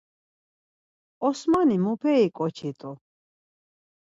Osmani muperi ǩoçi rt̆u?